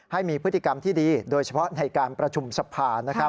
ให้มีพฤติกรรมที่ดีโดยเฉพาะในการประชุมสภา